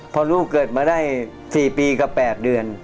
พอลูกเกิดมาได้๔ปีกับ๘เดือน